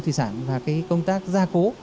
thủy sản và công tác ra cố